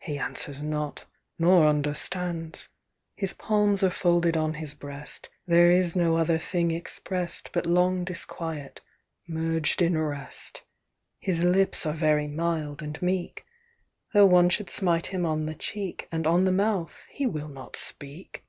He answers not, nor understands. "His palms are folded on his breast: There is no other thing express'd But long disquiet merged in rest. "His lips are very mild and meek: Tho' one should smite him on the cheek, And on the mouth, he will not speak.